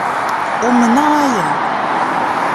Umneɣ aya.